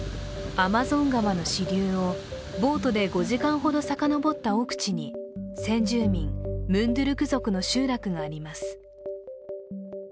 アマゾン川の支流をボートで５時間ほど遡った奥地に先住民ムンドゥルク族の集落があります。